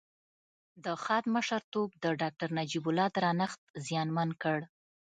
د خاد مشرتوب د داکتر نجيب الله درنښت زیانمن کړ